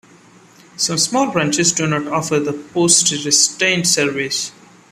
Some small branches do not offer the poste restante service.